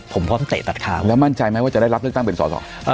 ผมพร้อมเตะตัดขาแล้วมั่นใจไหมว่าจะได้รับเลือกตั้งเป็นสอสอ